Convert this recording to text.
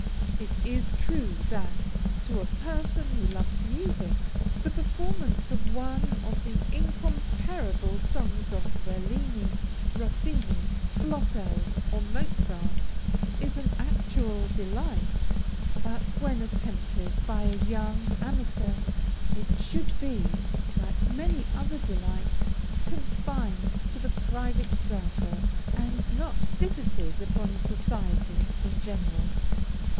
It is true that, to a person who loves music, the performance of one of the incomparable songs of Bellini, Rosini, Flotow, or Mozart, is an actual delight but; when attempted by a young amateur, it should be, like many other delights, confined to the private circle, and not visited upon society in general.